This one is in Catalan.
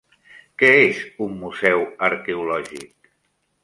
Què és un museu arqueològic?